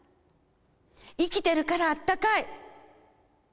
生きてるからあったかい。